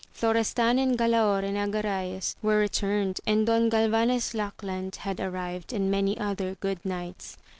Morestan and Galaor and Agrayes were returned, and Don Galvanes Lackland had arrived, and many other good knights.